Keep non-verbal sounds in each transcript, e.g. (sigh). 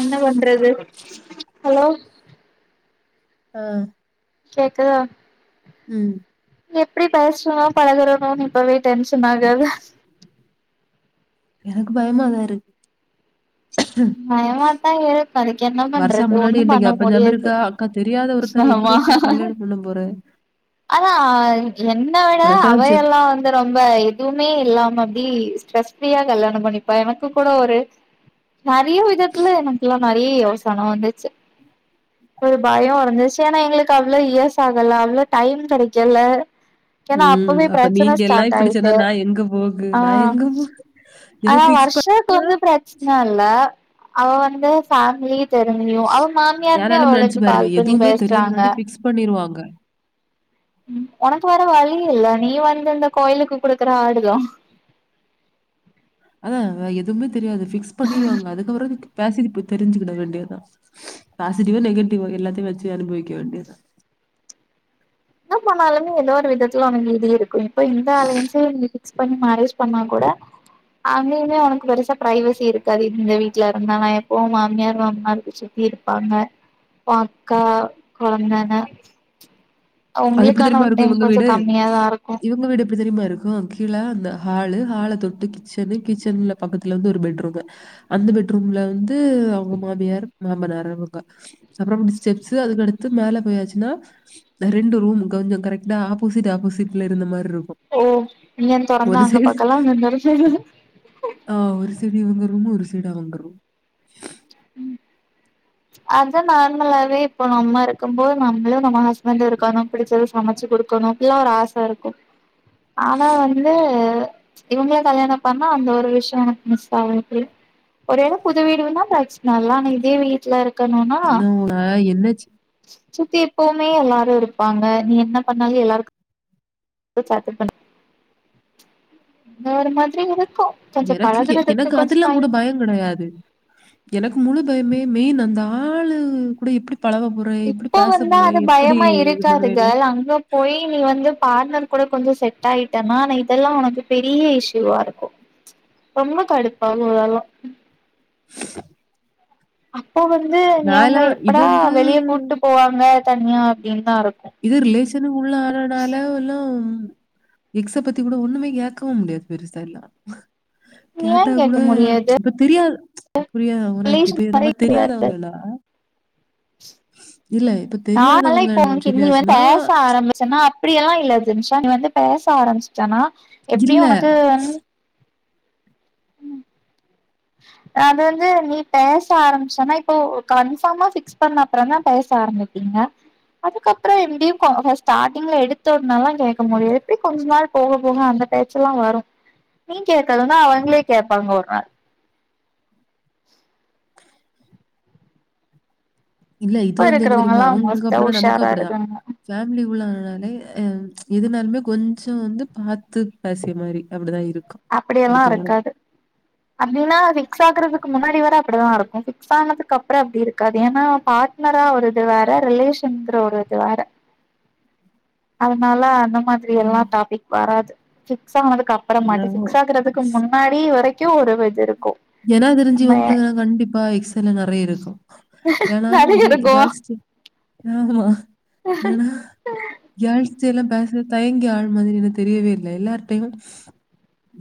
என்ன பண்றது ஹலோ ஆ கேக்குதா ம் எப்டி பேசுவேனோ பழகுவேணோனு இப்பவே டென்ஷன் ஆகுது எனக்கு பயமாதாருக்கு பயமாதா இருக்கு அதுக்கு என்ன வருஷா பண்றது முன்னாடி ஒண்ணும் என்ட்ட பண்ண ஞாபகம் ஞாபகம் முடியாது இருக்கா? அக்கா தெரியாத ஒருத்தர் எப்டி ஆமா அக்கா கல்யாணம் பண்ண போற அதா என்னடா உனக்கெல்லாம் செத் அவையெல்லா வந்து ரொம்ப எதுவுமே இல்லாம அப்டி ஸ்ட்ரெஸ் ஃப்ரீயா கல்யாணம் பண்ணிப்பா எனக்கு கூட ஒரு நெறைய விதத்துல எனக்குல்லா நெறைய யோசன வந்துச்சு ஒரு பயோ வ அந்தச்சயன்னா எங்களுக்கு அவ்ளோ இயஸ் ஆகல அவ்ளோ டைம் கெடைக்கல்ல ஏன்னா ம். அப்பவே அப்ப பிரச்சன நீங்க எல்லாம் ஸ்டார்ட் இப்படி சொன்னா ஆய்ட்டு நான் எங்க போகு? ஆ நான் எங்க போ என்ன ஆனா ஃபிக்ஸ் பண் வர்ஷாக்கு வந்து ப்ர ச்ன இல்ல அவ வந்து ஃபேமிலி தெறமியு அவ மாமியாருமே யாராலும் நெனச்சு அவளுக்கு பாரு. கால் பண்ணி எதுவுமே தெரிய பேசுறாங்க முன்னாடி பிக்ஸ் பண்ணிருவாங்க ஒனக்கு வர வழி இல்ல நீ வந்து இந்த கோயிலுக்கு குடுக்குற ஆடுதா ஆ அ எதுவுமே தெரியாது பிக்ஸ் பண்ணிருவாங்க அதுக்கப்புரோ பேசிது போய் தெரிஞ்சுக்கிட வேண்டியதா பாசிட்டிவோ நெகட்டிவோ எல்லாத்தையு வச்சு அனுபவிக்க வேண்டியதா என்ன போனாலுமே ஏதோ ஒரு விதத்துல ஒனக்கு இது இருக்கு இப்போ இந்த அலையன்ஸே பிக்ஸ் பண்ணி மேரேஜ் பண்ன கூட அங்கேயுமே ஒனக்கு பெருசா பிரைவசி இருக்காது இந்த வீட்ல இருந்தா நா எப்போவு மாமியார் மாமானார் இருக்கு சுத்தி இரு ப்பாங்க ஒ அக்கா கொழந்தனு அது எப்டி தெரியுமா இருக்கு இவுங்க கொஞ்சோ வீடு கம்மியாதா இருக்கு இவுங்க வீடு எப்டி தெரியுமா இருக்கு கீழ அந்த ஹாலு ஹால தொட்டு கிச்சன்னு கிச்சன்ல பக்கத்துல வந்து ஒரு பெட்ரூமு அந்த பெட்ரூம்ல வந்து அவுங்க மாமியார் மாமனார் அவுங்க அப்புறம் ஸ்டெப்ஸ் அதுக்கடுத்து மேல போயாச்சுனா ரெண்டு ரூமு கொஞ்சோ கரெக்டா ஆப்போசிட் ஆப்போசிட்ல இருந்த மாரி இருக்கு ஓ இங்க துறந்தா அங்க பாக்கலா அங்க துறந்தா ஆ ஒரு சைடு இவுங்க ரூமு ஒரு சைடு அவங்க ரூம் ம் அதா நார்மலாவே இப்போ நம்ம இருக்கும் போது நம்மளு நம்ம ஹஸ்பண்ட்டு இருக்கணு பிடிச்சது சமச்சு குடுக்குணு இப்டில்லா ஒரு ஆச இருக்கு ஆனா வந்து இவங்கள கல்யாணம் பண்ணா அந்த ஒரு விஷ்யோ உனக்கு மிஸ் ஆகும் இப்டி ஒரே எடம் புது வீடுன்னா பிர நல்லா நா இதே வீட்டல இருக்குனுன்னா நான் என்ன என்னச்சு சுத்தி எப்பவுமே எல்லாரு இருப்பாங்க நீ என்ன பண்ணாலு எல்லாருக்கு ஏதோ சாத்து பண் அந்த ஒரு மாரி இருக்கு கொஞ்சோ எனக்கு பழகுறதுக்கு எனக்கு கொஞ்சோ அதெல்லா கூட டைம் பயம் கெடையாது எனக்கு முழு பயமே மெயின் அந்த ஆளு கூட எப்டி பழகப் போறை எப்டி இப்போ பேச வந்தா போறை அது எப்டி பயமா இது இருக்காது பண்ணுவேது கேர்ள் அங்க போய் நீ வந்து பார்ட்னர் கூட கொஞ்சோ செட் ஆயிட்டேன்னா ஆனா இதெல்லா உனக்கு பெரிய இஷ்யூவா இருக்கு ரொம்ப கடுப்பாகு அதெல்லா அப்போ வந்து இவுங்க நான்லாம் இது எப்படா வந்து வெளிய கூட்டு போவாங்க தனியா அப்டின்னு தா இருக்கு இது ரிலேஷன் உள்ள ஆளனால ஒல்லம் எக்ஸ பத்தி கூட ஒண்ணுமே கேகவும் முடியாது பெரு சைடுல ஏ கேட்டா கூட கேட்க முடியாது இப்ப தெரியாது புரியா (unintelligible) தெரியாதவங்களா இல்ல இப்ப நானெல்லா தெரியாதவங்கன்னு (unintelligible) நீ வந்து சொல்லியாச்சுன்னா, பேச ஆரம்பி ச்ன்னா அப்டி எல்லா இல்ல ஜினிஷா நீ வந்து பேச ஆரம்பிச்சட்டன்னா இல்ல, எப்டியு உனக்கு அது வந்து நீ பேச ஆரம்பிச்சன்னா இப்போ கன்பார்மா பிக்ஸ் பண்ண அப்ரோ தா பேச ஆரம்பி ஏங்க அதுக்கப்ரோ எப்டியு ஸ்டார்ட்டிங்ல எடுத்தோவுனலல்லா கேக்க முடியு எப்டி கொஞ்ச நாள் போக போக அந்த பேச்செல்லா வரு நீ கேக்கது தா அவங்களே கேப்பாங்க ஒரு நாள் இல்ல இது இப்ப வந்து என்ன தெரியுமா இருக்கிறவங்கல்லா அவங்களுக்கு மோஸ்ட்டா அப்டிதா நமக்கு உஷாரா அப்டிதா இருக்காங்க ஃபேமிலி உள்ள ஆனாலே எதுனாலுமே கொஞ்சோ வந்து பாத்து பேசிய மாரி அப்டிதா இருக்கு அப்படியெல்லா இருக்காது அப்டின்னா பிக்ஸ் ஆக்குறதுக்கு முன்னாடி வர அப்டிதா இருக்கு பிக்ஸ் ஆனதுக்கு அப்ரோ அப்டி இருக்காது ஏன்னா பா னரா ஒரு இது வேற ரிலேஷன்ங்கிற ஒரு இது வேற அதனால அந்த மாதிரி எல்லா ம். டாபிக் வராது ஃபிக்ஸ் ஆகனதுக்கு அப்பற மாட்டே என்னவோ! ஃபிக்ஸ் ஆகுறது க்கு முன்னாடி வரைக்கு ஒரு இது இருக்கு ஏன்னா நம்ம தெரிஞ்சுகோங்கள கண்டிப்பா எக்ஸ் எல்லா நிறைய இருக்கு ஏனா நெறைய இல் இருக்கு காச்சு ஆமா ஏனா யாழச்சைய எல்லாம் பேசுற தயங்கி ஆழ் மாதிரி என தெரியவே இல்லை எல்லார்கிட்டையும்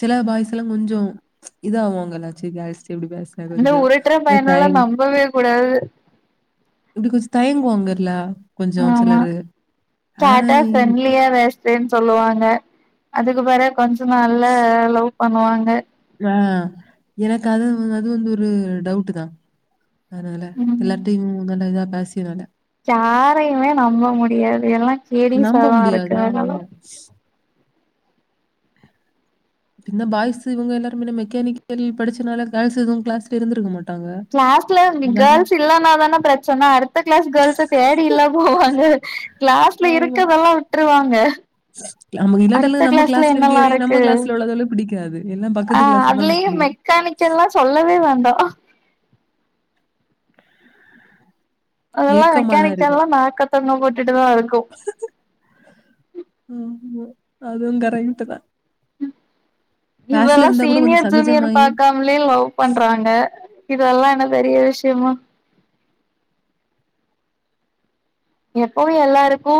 சில பாய்ஸ் எல்லாம் கொஞ்சோ இது ஆவு வாங்கல்ல சேர் கேர்ள்ஸ் கிட்ட எப்டி பேஸ்ரது அந்த கொஞ்சோ உருட்டுற ரொம்ப பையனெல்லா தயங்கி நம்பவே கூடாது இப்டி கொஞ்சோ தயங்குவாங்கலா ஆமா கேட்டா இந்- ஃப்ரெண்ட்லியா பேஸ் ன சொல்லுவாங்க அதுக்கு பிறக் கொஞ்சோ நாள்ல லவ் பண்ணுவாங்க ஆ எனக்கு அது அது வந்து ஒரு டவுட் தா அதனல்ல ம் எல்லாருட்டியு நல்ல இது அ பேசியிருவாங்க யாரையுமே நம்ப முடியாது எல்லா கேடிஸ்சா நம்ப தா முடியாது. ருக்கு அதுனால (unintelligible) இந்த பாய்ஸ் இவுங்க எல்லருமே மெக்கானிக்கல் படிச்சனால கேர்ள்ஸ் இதுவும் கிளாஸ்ல இருந்துருக்க மாட்டங்க கிளாஸ்ல கேர்ள்ஸ் இல்லைன்னாதானே பிரச்சன அடுத்த கிளாஸ் கேர்ள்ஸ் தேடில்ல போவாங்க கிளாஸ்ல இருக்கரதெல்லா விட்டுருவாங்க நமக்கு இல்லாட்டல அடுத்த நம்ம கிளாஸ்ல க்கிளாஸ்ல என்னல்லா இருக்கேய்லயே நம்ம இருக்கு கிளாஸ்ல உள்ளதுகளுக்கு புடிக்காது ஆ அதுலயு மெக்கானிக்கல்லா சொல்லவே வேண்டா அதெல்லா ஏக்கமா தான் மெக்கானிக் இருக்கும். எல்லா நாக்க தொங்க போட்டுட்டுதா இருக்கு ம் அதுவும் கரெக்ட் கிளாஸ்ல இவெல்லா இருந்தா கூட கொஞ்சம் சீனியர் ஜூனியர் சகஜமாயி பாக்காம புள்லேயே லவ் பண்றாங்க இதெல்லா என்ன பெரிய விஷயமா எப்பவு எல்லாருக்கு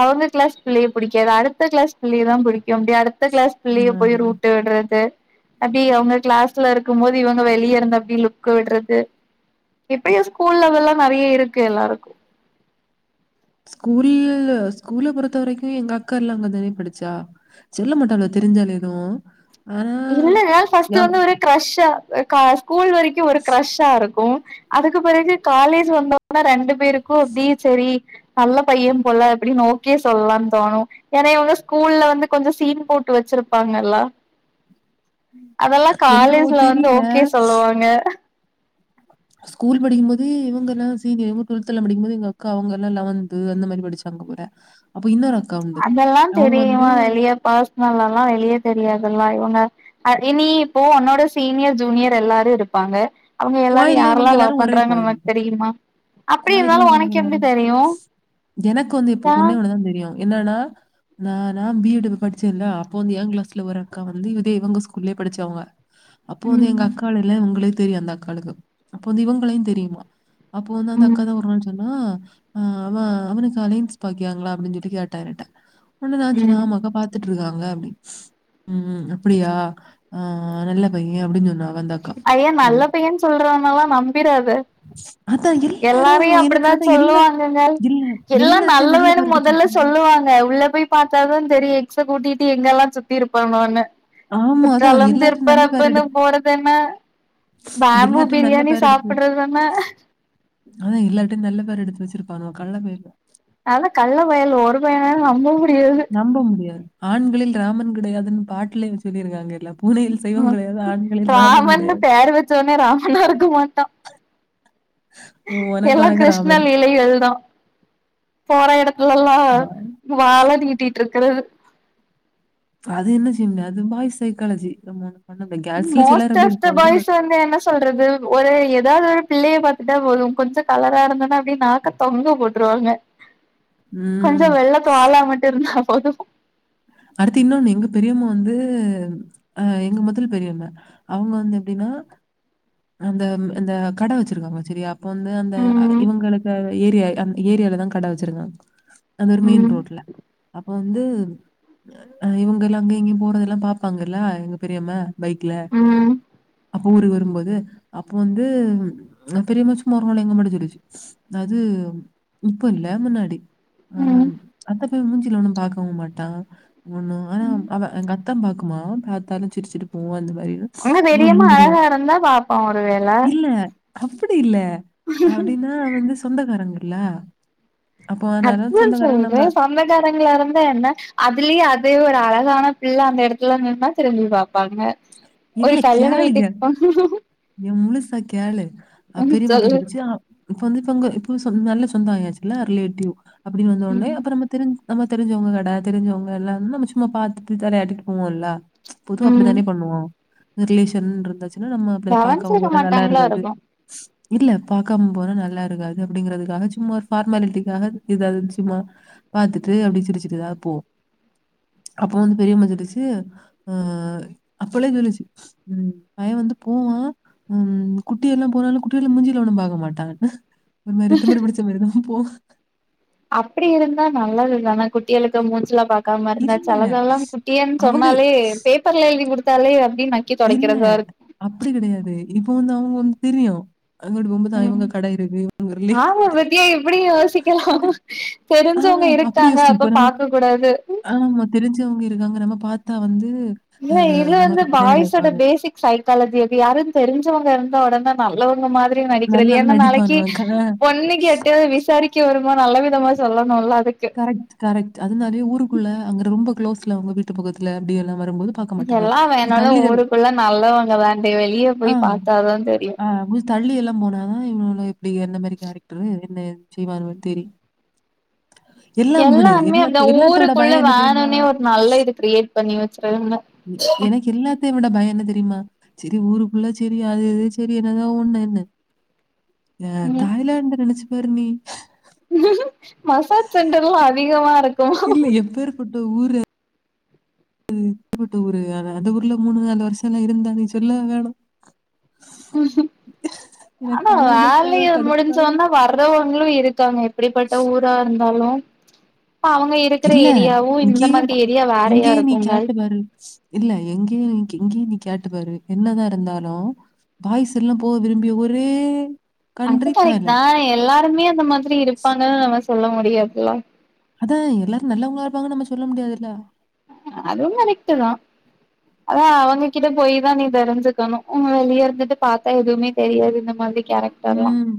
அவுங்க கிளாஸ் புள்ளைய புடிக்காது அடுத்த கிளாஸ் புள்ளைய தா புடிக்கு அப்டியா அடுத்த கிளாஸ் பிள்ளைய போய் ம். ரூட்டு விடுறது அப்டி அவுங்க கிளாஸ்ல இருக்கும்போது இவங்க வெளியே இருந்த அப்படி லுக் விடுறது இப்பய ஸ்கூல்ல அதெல்லா நிறைய இருக்கு எல்லாருக் ஸ்கூல்ல ஸ்கூல்ல பொறுத்த வரைக்கு எங்க அக்கா எல்லா அங்க தானே படிச்சா செல்ல மாட்டாலுவோ தெரிஞ்சாலு எதுவு இல்ல இருந்தாலு ஃபர்ஸ்ட் வந்து ஒரு க்ரெஷ்ஷா ஸ்கூல் வரைக்கு ஒரு க்ரெஷ்ஷா இருக்கு அதுக்கு பிறகு காலேஜ் வந்தோனா ரெண்டு பேருக்கு எப்டி சேரி நல்ல பையன் போல அப்டின்னு ஓக்கே சொல்லலானு தோணு ஏன்னா இவுங்ளா ஸ்கூல்ல வந்து கொஞ்சோ சீன் போட்டு வச்சிருப்பாங்கல்ல அதெல்லா என்னவோ காலேஜ்ல வந்து தெரியல. ஓகே சொல்லுவாங்க ஸ்கூல் படிக்கும் போதே இவுங்களால்லா சீனியர் இவங்க டுவல்த்ல படிக்கும் போது எங்க அக்கா அவங்கல்லாம் லவன்த் அந்த மாரி படிச்சோ தங்கப்போறே அப்ப இன்னொரு அக்கா உண்டு. அதெல்லா அவங்க தெரியு வந்து வெளிய பெர்சனல்லாளா வெளியே தெரியதுல்ல இவங்க அதே நீ இப்போ உன்னோட சீனியர் ஜூனியர் எல்லாரு இருப்பாங்க அவுங்க எல்லாரு கோயில்ல யாரல்லா இவங்க லவ் எல்லாரும் ஒரே பண்றாங்கன்னு கோயில் உனக்கு தான். தெரியுமா அப்டி கோயில்ல இருந்தாலு இவங்க உனக்கு எல்லாரும் எப்டி தெரியு எனக்கு வந்து இப்ப ஆ ஒன்னே ஒண்ணுதா தெரியு என்னன்னா நா நா பி எட் படிச்சேன்ல அப்போ வந்து ஏன் கிளாஸ்ல ஒரு அக்கா வந்து இதே இவுங்க ஸ்கூல்லயே படிச்சவங்க அப்போ வந்து எங்க ம் அக்கால் இல்ல உங்ளுக்கு தெரியு அந்த அக்காளுக அப்போ வந்து இவுங்களயு தெரியுமா அப்போ வந்து அந்த அக்கா ம் தா சொன்னா அவே அவன் அலைன்ஸ் பாக்கியாங்ளா அப்டின்னு சொல்ட்டு கேட்டா என்னுட்ட ஒன்னு தா சொன்ன ம் ஆமா அக்கா பாக்கு பாத்துட்டு இருக்காங்க அப்டி ம் அப்டியா ஆ நல்ல பையன் அப்டின்னு சொன்னா அவ அந்த அக்கா ஐய நல்ல உடனே. பையன்னு சொல்றான்ல்லாம் நம்பிடாத அதான் எல்லாரும் எல்லாரையும் எனக்கு அப்டித்தான் அதான் எல்லா சொல்லுவாங்கங்க இல்ல எல்லாம் நல்ல எல்லார்ட்டையும் வேணு பேர் எடுத்து முதல்ல வச்சிருந்தேன். சொல்லுவாங்க உள்ள போய் பாத்தா தான் தெரியு எக்ஸ்ஸ கூட்டிட்டு எங்க எல்லாம் சுத்தி இருப்பாணோனு ஆமா அதான் குற்றாலம் எல்லார்ட்டையும் நல்ல பேர் திருப்பர்பன்னு போறது என்ன பேம்பு எல்லார்ட்டயும் நல்ல பிரியாணி பேர் எடுத்து வச்சு சாப்பிடுறது என்ன அதான் எல்லார்ட்டயையும் நல்ல பேர் எடுத்து வச்சிருப்பாங்க கள்ள பேர் அதான் கள்ள பயல்ல ஒரு பையனாலும் நம்ப முடியாது நம்ப முடியாது ஆண்களில் ராமன் கிடையாதுன்னு பாட்டுல சொல்லியிருக்காங்கல்ல பூனையில் சைவம் கிடையாது ஆண்களில் ராமன் கிடையாது சொன்னவ ராமணா இருக்க மட்டான் உனக்கு எல்லாம் உனக்கு கிருஷ்ணன் ராமன்." லீலைகள் தான் போற இடத்துலல்லாம் ப வால நீட்டிட்டு இருக்குறது அது என்ன செய்ய முடியு அது பாய்ஸ் சைக்காலஜி நம்ம பண்ண கேர்ள்ஸ்ல சிலர் மோஸ்ட் அப்டி ஆஃப் த இருப்பாங்க பாய்ஸ் பட் வந்து என்ன சொல்றது ஒரு ஏதாவது ஒரு பிள்ளைய பார்த்துட்டா போதும் கொஞ்சம் கலரா இருந்தனா அப்டியே நாக்க தொங்க போட்டுருவாங்க ம். கொஞ்சம் வெள்ள தோள்லா மட்டும் இருந்தா போதும் அடுத்து இன்னொன்னு எங்க பெரியம்மா வந்து அ எங்க முதல் பெரிய அண்ண அவுங்க வந்து எப்டின்னா அந்த அந்த கட வச்சிருக்காங்க செரியா அப்ப வந்து அந்த ம் இவங்களுக்கு ஏரியால அந்த ஏரியாலதான் கடை வச்சிருக்காங்க அந்த ஒரு மெயின் ம் ரோட்ல அப்போ வந்து அ இவங்க எல்லாம் அங்க இங்க போறரனதெல்லாம் பார்ப்பாங்கல்ல இவங்க பெரிய அண்ணா பைக்ல ம் அப்போ ஊருக்கு வரும்போது அப்போ வந்து பெரியமாச்சான் உறவு முறை வந்து முடிஞ்சிச்சு அது இப்ப இல்ல முன்னாடி ஆ ம் அப்ப போயி மூஞ்சுயில ஒன்னும் பாக்கவு மாட்டான் ஒண்ணும் ஆனா அவ எங்க அக்கா பாக்குமா பார்த்தாலும் சிரிட்டுபோவோம் அந்த மாரி உங்க தெரியமா அழகா இருந்தா பார்ப்பான் ஒரு வேல அப்டி இல்ல அப்டின்னா வந்து சொந்தக்காரங்கள் இல்ல அப்ப நல்ல சொந்த காரங்கள் நம்ம சொந்தகாரங்கள இருந்தா என்ன அதுலேயே அதே ஒரு அழகான பிள்ளை அந்த இடத்துல நின்னா திரும்பி பார்ப்பாங்க ஒரு கல்யாணம் வீட்டுக்கு போனா நீ முலுசா கேளு பெரியமாப்பிள்ளை சொல்லு சொல்லுச்சா இப்ப வந்து இப்பங்க இப்ப நல்ல சொந்தம் ஆயாச்சு இல்ல ரிலேட்டிவ் அப்டின்னு வந்தோனே ம் அப்பறம் நம்ம தெரிஞ் நம்ம தெரிஞ்சவங்க கடை தெரிஞ்சவங்க எல்லாம் நம்ம சும்மா பார்த்துட்டு தலையாட்டிட்டு போவோம் இல்ல பொதுவா ம் அப்டித்தானே பண்ணுவோம் ரிலேஷன் இருந்தாச்சுன்னா நம்ம அப்டி பாக்காம கவனிச்சிருக்க போற நல்லா மாட்டாங்களா இருக்காது இருக்கு (inaudible) இல்ல பார்க்காம போனா நல்லா இருக்காது அப்டிங்கறதுக்காக சும்மா ஒரு ஃபார்மாலிட்டிக்காக ஏதாவது சும்மா பார்த்துட்டு அப்டியே சிரிச்சிட்டுதான் போவோ அப்போ வந்து பெரியம்மா திட்டுச்சு ஆ அப்பவே சொல்லுச்சி ம் பையன் வந்து போவான் ம் குட்டி எல்லாம் போனாலும் குட்டிகல மூஞ்சிய ஒண்ணும் பாக்க மாட்டாங்கன்னு முன்ன மேரி திமிர பிடிச்சு மாரிதா போவோம் அப்டி இருந்தா நல்லா தான குட்டிகளுக்கு மூச்சுலாம் பார்க் க்காம இருந்தா இல்ல. சிலதெல்லா குட்டியன்னு அவங்க சொன்னாலே பேப்பர்ல எழுதி குடுத்தாலே அப்டின்னு இல்ல அப்டி கெடையாது இப்போ வந்து அவங்க வந்து தெரியும் அங்கட்டு போ போது தா இவங்க கடை இருக்கு இவங்கஊர்லே ஏ இப்டி யோசிக்கலா ஆ தெரிஞ்சவங்க அப்படி இருக்காங்க யோசிச்சு அப்ப இப்ப நம்ம பாக்க கூடாது ஆமா தெரிஞ்சவங்க இருக்காங்க நம்ம பாத்தா வந்து இவ அ இது நம்மள வந்து பத்தி என்ன பாய்ஸோட நினைப்பாங்க? பேசிக் சைக்காலஜி அது யாரு தெரிஞ்சவங்க இருந்தா ஒடனே நல்லாவங்க மாதிரி எப்டி நல்லா நடிக்கிறது என நாளைக்கு நடிப்பானுவ பொண்ணு கேட்டு விசாரிக்க அன்னைக்கு நல்ல விதமா சொல்லணும்ல்ல அதுக்கு கரெட்டு கரெட்டுஅதனாலயோ ஊருக்குள்ள அங்க ரொம்ப குளோஸ்ல அவங்க வீட்டு பக்கத்துல அப்டி எல்லா வருபோது எல்லா வேணாலு ஊருக்குள்ள நல்லவங்க தாண்டி வெளிய ஆ, போயி பாத்தாதா தெரியு ஆ கொஞ்சம் தள்ளி எல்லா போனாதா இவ்ளோள இப்டி என்ன மாரி கேரக்டரு என்ன ஏது செய்வானுவே தெரியு எல்லாம் விடு எல்லாருமே அந்த எல்லாத்த எல்லாத்த விட ஊருக்குள்ள பய என்ன தெரியுமா வேணும்னே ஒரு நல்ல இது கிரியேட் பண்ணி வச்சிருங்க எனக்கு எல்லா எல்லாத்தயு விட பய என்ன தெரியுமா சேரி ஊருக்குள்ள சேரி அது இது சேரி என்னதா ஒண்ணு என்னு அ ம் தாய்லான்ட நெனைச்சு பாரு நீ மசாஜ் சென்டர்ல்லா அதிகமா இருக் இல்ல எப்பேர் பட்ட ஊரு (unintelligible) ஊரு வே அந்த ஊருல மூணு நாலு வருஷம்ல்லா இருந்தா நீ சொல்ல வேணு எனக்கு ஆனா அத நெனச்சா வேலய தான் கடுப்பா முடிஞ்சவனே வர்றவங்களு இருக்காங்க எப்படிப்பட்ட ஊரா இருந்தாலு அப்ப அவங்க இருக்கிற இல்ல ஏரியாவு இந்த இங்கேயே மாதிரி ப- ஏரியா வேறயா இங்கேயே இருக்குங்க (inaudible) இல்ல எங்கயு நீ எங்கயு நீ கேட்டு பாரு என்னதா இருந்தாலு பாய்ஸ் எல்லா போக விரும்பிய ஒரே அது கண்ட்ரி கரெக்ட் தா தாய்லாந்து எல்லாருமே அந்த மாதிரி இருப்பாங்கன்னு நம்ம சொல்ல முடியாதுல அது எல்லாரு நல்லவங்களா இருப்பாங்கனு நம்ம சொல்ல முடியாதுல்ல அதுவு கரெக்ட் தா அதா அவங்ககிட்ட போய் தா நீ தெரிஞ்சுக்கணு உங்க வியர்ந்துட்டு பாத்தே எதுவுமே தெரியாது இந்த மாரி கேரக் ம்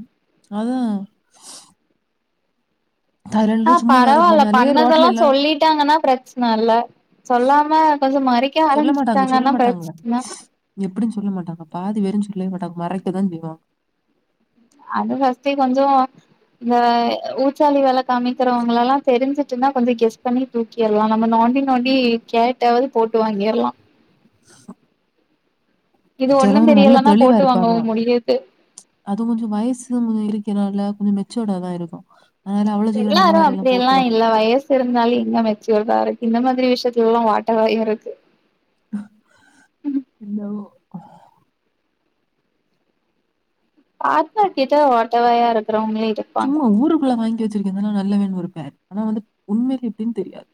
அதா அ தாய்லாந்துல சும்மா வேற பரவாயில்ல போனாலே பண்ணதெல்லா ரோட்ல எல்லாம் சொல்லிட்டாங்கன்னா பிரச்சன இல்ல சொல்லாம கொஞ்சோ மறைக்க ஆரம்பிச்சிட்டாங்கன்னா பிரச்சன எப்டின்னு சொல்ல மாட்டாங்க பாதி வேரு சொல்லவே மாட்டாங்க மறைக்க தா செய்வாங்க அது ஜாஸ்தி கொஞ்சோ இந்த ஊச்சாலி வேல காமிக்கிறவங்கள எல்லா தெரிஞ்சிட்டுனா கொஞ்சோ கெஸ் பண்ணி தூக்கிரலா நம்ம நோண்டி நோண்டி கேட்டாவது போட்டு வாங்கிரலா இது ஒண்ணு செலவுனுங்க நல்ல தெரியலன்னா தெளிவா போட்டு வாங்கவு இருப்பானுவோ முடியாது அதுவு கொஞ்சோ வயசு இருக்கிறனால கொஞ்சோ மெச்சோர்டா தா இருக்கு எல்லாரு அப்டி எல்லா இல்ல வயஸ் இருந்தாலு எங்க மெச்சூடா இருக்கு இந்த மாதிரி விஷயத்துல எல்லா ஓட்டவாயு இருக்கு ஹலோ அத்தா கிட்ட ஓட்டவையா இருக்கறவங்களே இது சும்மா ஊருக்குள்ள வாங்கி வச்சிருக்கே நல்லவேன் ஒரு பேர் ஆனா வந்து உண்மையில எப்டின்னு தெரியாது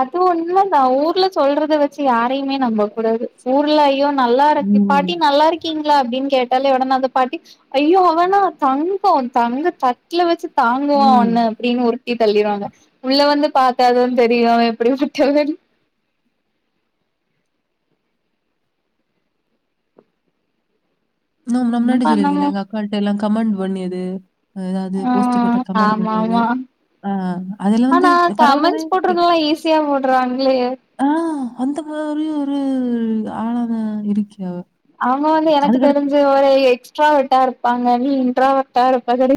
அது உண்மதா ஊர்ல சொல்றத வச்சு யாரையுமே நம்ப கூடாது ஊர்ல நல்லா இருக்கு ம். பாட்டி நல்லா இருக்கு க்கீங்களா அப்டின் கேட்டாலே ஒடனே அந்த பாட்டி அய்யோ அவனா தங்கோ தங்க தட்ல வச்சி தாங்குவா ம் ஒன்ன அப்டின்னு உருடி தள்ளிடுவாங்க உள்ள வந்து பாத்தாதா தெரி யு இவே எப்டி பட்டவன்னு நா நா என்ன முன்னாடி சொல்லிருங்கேன்ல பண்ணமு எங்க அக்காட்ட எல்லா கமாண்ட் பண்ணியது ஏதாவது ஆ போஸ்ட் போட்டா கமெண்ட் ஆமா பண்ணியது ஆமா ஆ அதுல வந்து பரவ தானே கேம் போடுறாங்களே ஆ அந்த மாதிரியு ஒரு ஆளாதா இருக்கியா அவங்க வந்து எனக்கு தெரிஞ்ச வரையு எக்ஸ்ட்ரா வெர்ட்டா இருப்பாங்க நீ இன்ட்ரா வெர்ட்டா இருப்ப அது எனக்கு